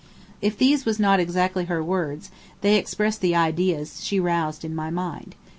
If these was not exactly her words, they express the ideas she roused in my mind.